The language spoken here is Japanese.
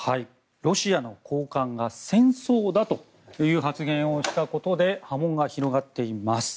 ロシアの高官が戦争だという発言をしたことで波紋が広がっています。